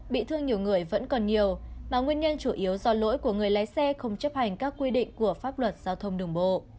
bị thương nhiều người vẫn còn nhiều mà nguyên nhân chủ yếu do lỗi của người lái xe không chấp hành các quy định của pháp luật giao thông đường bộ